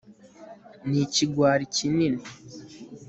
ni ikigwari kinini